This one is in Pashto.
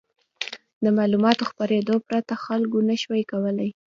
د معلوماتو خپرېدو پرته خلکو نه شوای کولای.